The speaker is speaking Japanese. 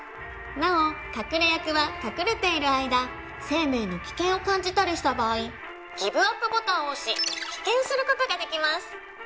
「なお隠れ役は隠れている間生命の危険を感じたりした場合ギブアップボタンを押し棄権する事ができます」